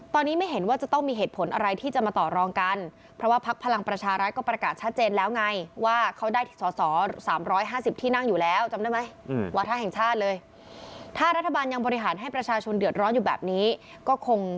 ตอนนี้ไม่เห็นว่าจะต้องมีเหตุผลอะไรที่จะมาต่อรองกัน